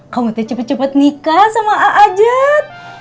kamu tuh cepet cepet nikah sama a'ajat